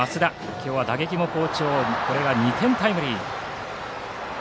今日は打撃も好調で２点タイムリー。